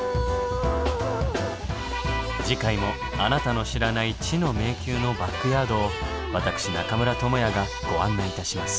次回もあなたの知らない知の迷宮のバックヤードを私中村倫也がご案内いたします。